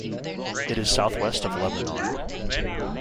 It is southwest of Lebanon.